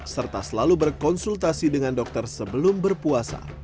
serta selalu berkonsultasi dengan dokter sebelum berpuasa